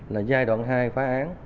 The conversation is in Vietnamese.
là giai đoạn hai phá án